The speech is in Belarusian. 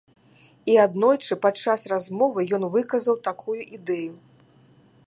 І аднойчы падчас размовы ён выказаў такую ідэю.